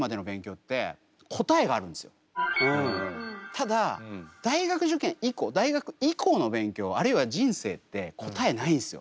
ただ大学受験以降大学以降の勉強あるいは人生って答えないんですよ。